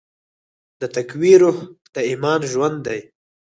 د تقوی روح د ایمان ژوند دی.